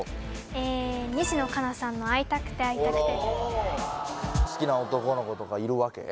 え西野カナさんの「会いたくて会いたくて」